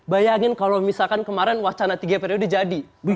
bayangin kalau misalkan kemarin wacana tiga periode jadi